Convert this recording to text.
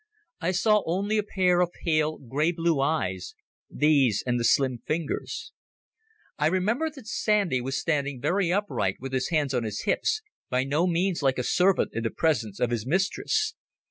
I saw only a pair of pale grey blue eyes—these and the slim fingers. I remember that Sandy was standing very upright with his hands on his hips, by no means like a servant in the presence of his mistress.